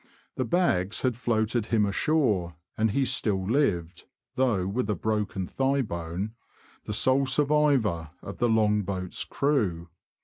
The bags had floated him ashore, and he still lived (though with a broken thigh bone), the sole survivor of the long boat's crew.